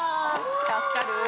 助かる！